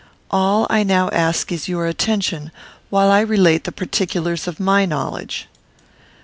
All I now ask is your attention, while I relate the particulars of my knowledge.